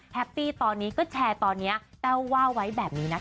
ปปี้ตอนนี้ก็แชร์ตอนนี้แต้วว่าไว้แบบนี้นะคะ